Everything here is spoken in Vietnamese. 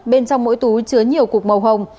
bên trong mỗi túi chứa nhiều cục màu hồng